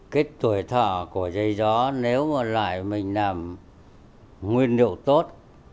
cái tuổi thợ của giấy gió nếu mà lại mình làm nguyên liệu tốt